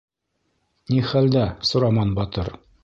— Ни хәлдә, Сураман батыр?